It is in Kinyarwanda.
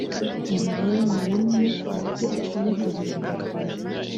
Ibi rero ni bimwe mu byo ukwiye kuzirikana